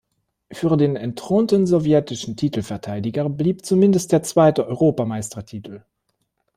Für den entthronten sowjetischen Titelverteidiger blieb zumindest der zweite Europameistertitel.